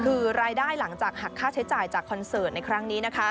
คือรายได้หลังจากหักค่าใช้จ่ายจากคอนเสิร์ตในครั้งนี้นะคะ